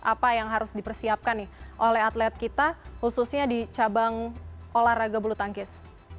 apa yang harus dipersiapkan nih oleh atlet kita khususnya di cabang olahraga bulu tangkis